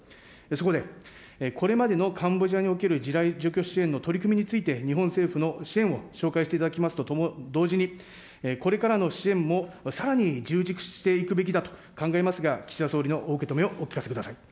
そこでこれまでのカンボジアにおける地雷除去支援の取り組みについて、日本政府の支援を紹介していただきますと同時に、これからの支援もさらに充実していくべきだと考えますが、岸田総理のお受け止めをお聞かせください。